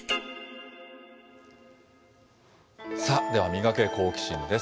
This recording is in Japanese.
では、ミガケ、好奇心！です。